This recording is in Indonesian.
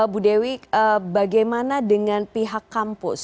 bu dewi bagaimana dengan pihak kampus